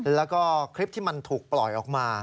แล้วก็คลิปที่มันถูกปล่อยออกมา